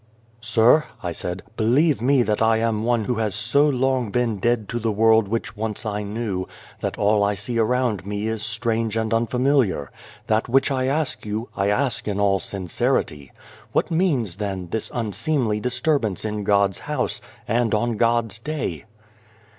" Sir," I said, " believe me that I am one who has so long been dead to the world which once I knew, that all I see around me is strange and unfamiliar. That which I ask you, I ask in all sincerity. What means, then, this un seemly disturbance in God's house and on God's day